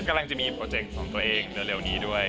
กำลังจะมีโปรเจคของตัวเองเร็วนี้ด้วย